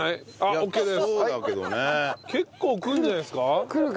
結構来るんじゃないですか？